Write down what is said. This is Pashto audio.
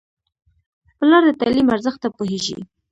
پلار د تعلیم ارزښت ته پوهېږي.